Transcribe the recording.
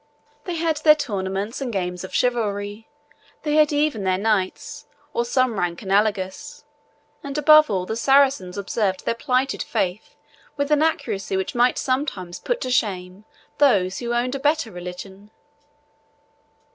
They had their tournaments and games of chivalry; they had even their knights, or some rank analogous; and above all, the Saracens observed their plighted faith with an accuracy which might sometimes put to shame those who owned a better religion.